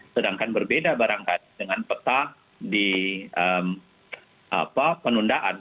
sedangkan berbeda barangkali dengan peta di penundaan